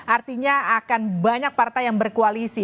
artinya akan banyak partai yang berkoalisi